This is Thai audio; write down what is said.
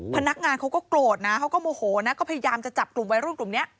พนักงานเขาก็โกรธนะเขาก็โมโหนะก็พยายามจะจับกลุ่มวัยรุ่นกลุ่มนี้